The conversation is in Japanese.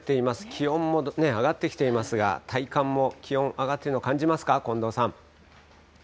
気温も上がってきていますが、体感も気温、上がっているの感じますか、近藤さん。